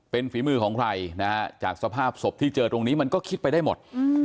เป็นฝีมือของใครจากสภาพศพที่เจอตรงนี้มันก็คิดไปได้หมด